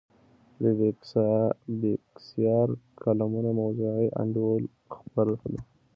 د بېکسیار کالمونه موضوعي انډول برخه دي.